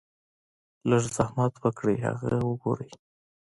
لږ زحمت اوکړئ هغه اوګورئ -